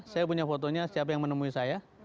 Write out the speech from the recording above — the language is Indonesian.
saya punya fotonya siapa yang menemui saya